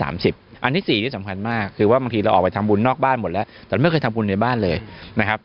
อันนี้๔ที่สำคัญมากคือว่าบางทีเราออกไปทำบุญนอกบ้านหมดแล้วแต่ไม่เคยทำบุญในบ้านเลยนะครับ